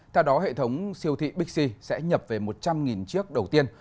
theo đó hệ thống siêu thị bixi sẽ nhập về một trăm linh chiếc đầu tiên